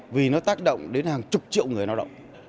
vì nó tác động đến hàng chục triệu người lao động